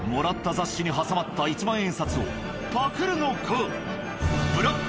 雑誌に挟まった１万円札をパクるのか？